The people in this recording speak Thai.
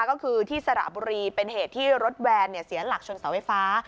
ก็คือที่สระบุรีเป็นเหตุที่รถแวนเสียหลักชนเสาไฟฟ้า